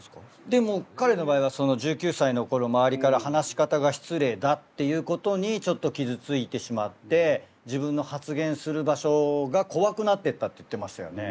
でも彼の場合は１９歳のころ周りから「話し方が失礼だ」っていうことにちょっと傷ついてしまって自分の発言する場所が怖くなってったって言ってましたよね。